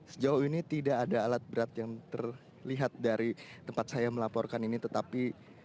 sejauh ini tidak ada alat berat yang terlihat dari tempat saya melaporkan ini tetapi